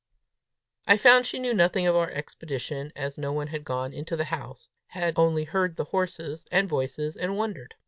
I found she knew nothing of our expedition, as no one had gone into the house had only heard the horses and voices, and wondered.